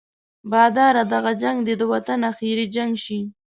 باداره دغه جنګ دې د وطن اخري جنګ شي.